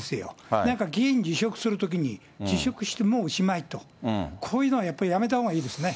何か議員辞職するときに、辞職してもうおしまいと、こういうのはやっぱりやめたほうがいいですね。